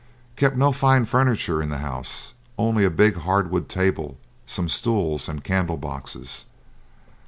Kept no fine furniture in the house, only a big hardwood table, some stools, and candle boxes.